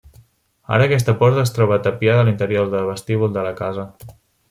Ara aquesta porta es troba tapiada a l'interior del vestíbul de la casa.